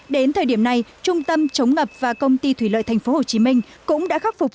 đến thời điểm này trung tâm chống ngập và công ty thủy lợi tp hcm cũng đã khắc phục